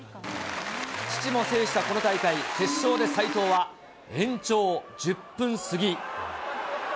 父も制したこの大会、決勝で斉藤は延長１０分過ぎ。